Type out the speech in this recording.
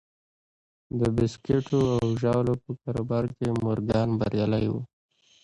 د بیسکويټو او ژاولو په کاروبار کې مورګان بریالی و